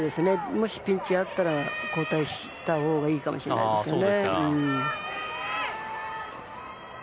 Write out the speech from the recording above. もし、ピンチがあったら交代したほうがいいかもしれないですね。